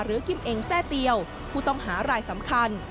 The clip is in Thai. กิมเองแทร่เตียวผู้ต้องหารายสำคัญ